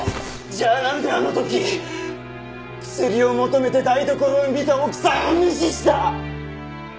じゃあなんであの時薬を求めて台所を見た奥さんを無視した！？